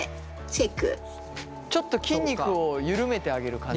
ちょっと筋肉を緩めてあげる感じ。